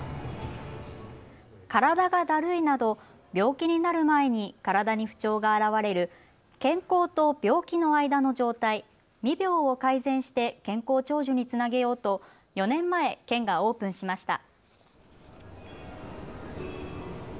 体がだるいなど病気になる前に体に不調が現れる健康と病気の間の状態、未病を改善して健康長寿につなげようと４年前、県がオープンしました。